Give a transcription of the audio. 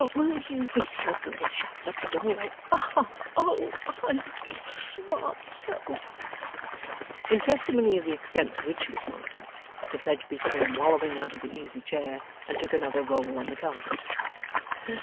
Will you be so good as shut the door? Oh I do smart so!' In testimony of the extent to which he smarted, Mr Fledgeby came wallowing out of the easy chair, and took another roll on the carpet.